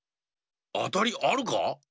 あたりあるか？